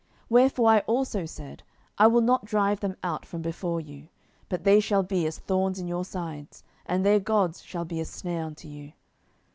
07:002:003 Wherefore I also said, I will not drive them out from before you; but they shall be as thorns in your sides, and their gods shall be a snare unto you.